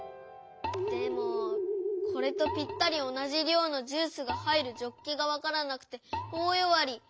でもこれとぴったりおなじりょうのジュースが入るジョッキがわからなくておおよわり。